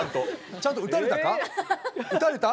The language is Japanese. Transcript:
ちゃんと撃たれたか。